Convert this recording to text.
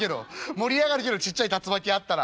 盛り上がるけどちっちゃい竜巻あったら」。